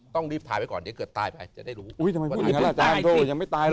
ต้องรีบถ่ายไว้ก่อนเดี๋ยวเกิดตายไปจะได้รู้อุ้ยทำไมวันนั้นอาจารย์โทษยังไม่ตาย